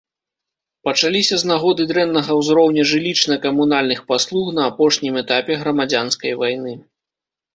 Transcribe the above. Пачаліся з нагоды дрэннага ўзроўня жылічна-камунальных паслуг на апошнім этапе грамадзянскай вайны.